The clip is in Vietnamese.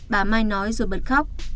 bà mai nói rồi bật khóc